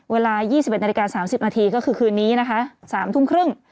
เวลา๒๑นาฬิกา๓๐นาทีก็คือคืนนี้นะคะ๓ทุ่มครึ่ง